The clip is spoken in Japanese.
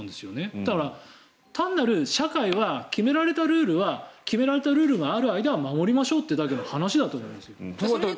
だから、単なる社会は決められたルールは決められたルールがある間は守りましょうという話だと思います。